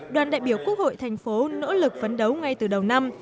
đoàn đại biểu quốc hội thành phố nỗ lực phấn đấu ngay từ đầu năm